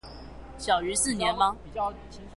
小於四年嗎